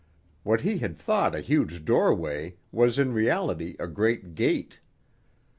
What he had thought a huge doorway was in reality a great gate.